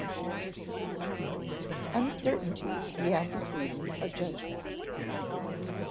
[Sidenote: Uncertainty the antecedent of judgment] 1.